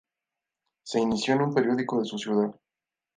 Se inició en un periódico de su ciudad.